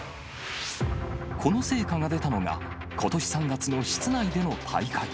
この成果が出たのが、ことし３月の室内での大会。